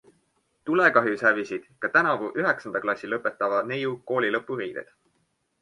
Tulekahjus hävisid ka tänavu üheksanda klassi lõpetava neiu koolilõpuriided.